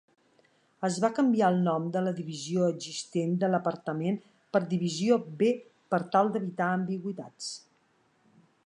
Es va canviar el nom de la divisió existent de l'apartament per divisió B per tal d'evitar ambigüitats.